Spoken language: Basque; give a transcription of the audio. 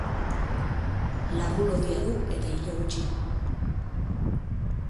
Larru lodia du, eta ile gutxi.